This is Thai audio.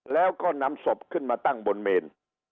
แล้วก็นำศพขึ้นมาตั้งบนเมน